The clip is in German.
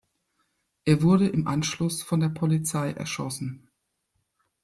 Er wurde im Anschluss von der Polizei erschossen.